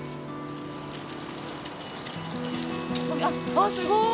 あっすごい！